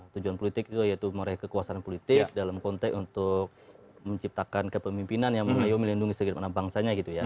tujuan politik itu yaitu mereh kekuasaan politik dalam konteks untuk menciptakan kepemimpinan yang mengayomi lindungi segera para bangsa